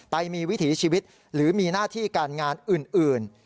ไปมีวิถีชีวิตหรือมีหน้าที่การงานอื่น